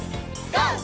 ＧＯ！